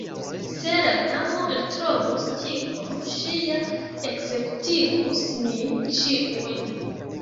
Se la Damo eltrovus tion, ŝi ja ekzekutigus nin ĉiujn.